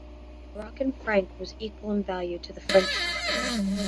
The Moroccan franc was equal in value to the French franc.